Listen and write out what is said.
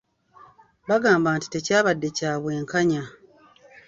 Bagamba nti tekyabadde kya bwenkanya.